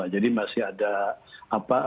jadi masih ada